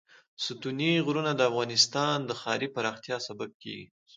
ستوني غرونه د افغانستان د ښاري پراختیا سبب کېږي.